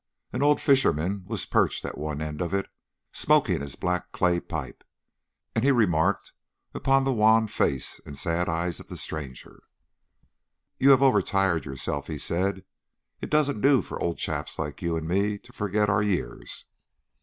An old fisherman was perched at one end of it, smoking his black clay pipe, and he remarked upon the wan face and sad eyes of the stranger. "You have overtired yourself," he said. "It doesn't do for old chaps like you and me to forget our years."